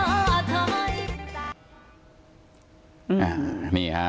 ถ้าใครอยากรู้ว่าลุงพลมีโปรแกรมทำอะไรที่ไหนยังไง